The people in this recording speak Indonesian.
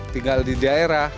tinggal di daerah